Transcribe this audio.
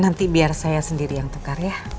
nanti biar saya sendiri yang tukar ya